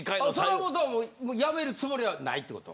それはもう辞めるつもりはないってこと？